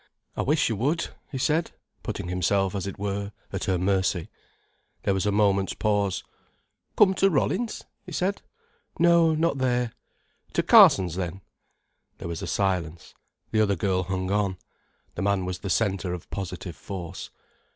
"I wish you would," he said, putting himself as it were at her mercy. There was a moment's pause. "Come to Rollins?" he said. "No—not there." "To Carson's, then?" There was a silence. The other girl hung on. The man was the centre of positive force.